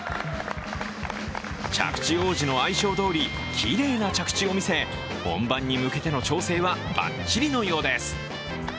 着地王子の愛称どおりきれいな着地を見せ、本番に向けての調整はバッチリのようです。